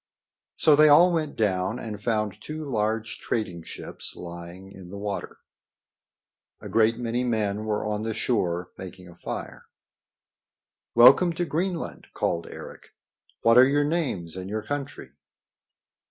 So they all went down and found two large trading ships lying in the water. A great many men were on the shore making a fire. "Welcome to Greenland!" called Eric. "What are your names and your country?"